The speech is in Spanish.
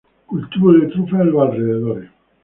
Cultivo de trufas en los alrededores.